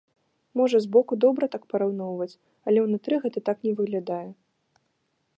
Можа, збоку добра так параўноўваць, але ўнутры гэта так не выглядае.